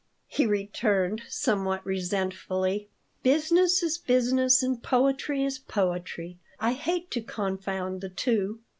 he returned, somewhat resentfully. "Business is business and poetry is poetry. I hate to confound the two.